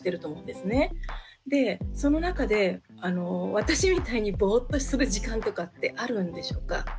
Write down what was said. でその中で私みたいにぼーっとする時間とかってあるんでしょうか？